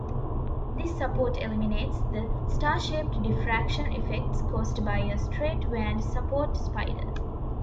This support eliminates the "star-shaped" diffraction effects caused by a straight-vaned support spider.